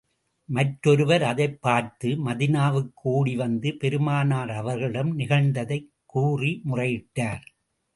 மற்றொருவர், அதைப் பார்த்து மதீனாவுக்கு ஓடி வந்து, பெருமானார் அவர்களிடம் நிகழ்ந்ததைக் கூறி முறையிட்டார்.